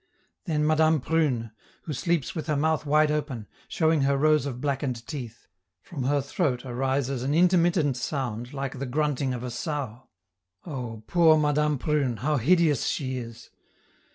Then Madame Prune, who sleeps with her mouth wide open, showing her rows of blackened teeth; from her throat arises an intermittent sound like the grunting of a sow. Oh! poor Madame Prune! how hideous she is!!